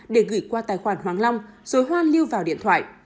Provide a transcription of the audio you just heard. để gửi qua tài khoản hoáng long rồi hoan lưu vào điện thoại